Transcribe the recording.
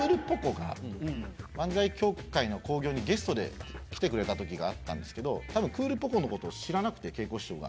が漫才協会の興行にゲストで来てくれたときがあったんですけどたぶんクールポコ。のことを知らなくて桂子師匠が。